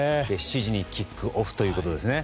７時にキックオフということですね。